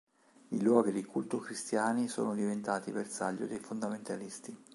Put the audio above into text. I luoghi di culto cristiani sono diventati bersaglio dei fondamentalisti.